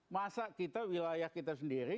masa kita wilayah kita sendiri